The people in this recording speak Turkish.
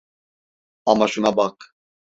Ama şuna bak.